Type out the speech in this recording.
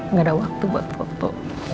nggak ada waktu buat waktu